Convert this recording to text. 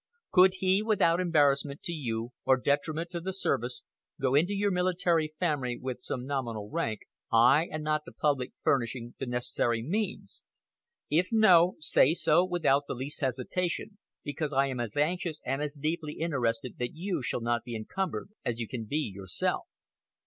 Could he, without embarrassment to you, or detriment to the service, go into your military family with some nominal rank, I and not the public furnishing the necessary means? If no, say so without the least hesitation, because I am as anxious and as deeply interested that you shall not be encumbered as you can be yourself.